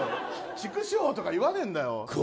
畜生とか言わねえんだよ。